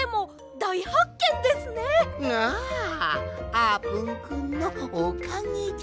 あーぷんくんのおかげじゃ。